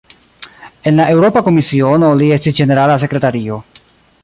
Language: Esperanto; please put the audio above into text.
En la Eŭropa Komisiono, li estis "ĝenerala sekretario".